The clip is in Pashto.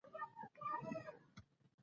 د چوره ولسوالۍ غرنۍ ده